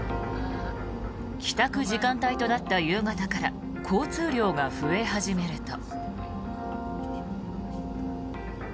帰宅時間帯となった夕方から交通量が増え始めると。